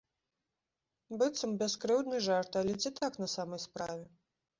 Быццам, бяскрыўдны жарт, але ці так на самай справе?